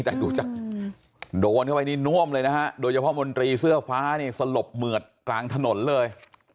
แต่ดูจากโดนเข้าไปนี่น่วมเลยนะฮะโดยเฉพาะมนตรีเสื้อฟ้านี่สลบเหมือดกลางถนนเลย